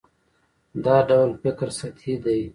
دا ډول فکر سطحي دی.